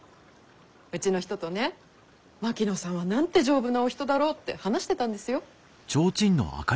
うちの人とね槙野さんはなんて丈夫なお人だろうって話してたんですよ。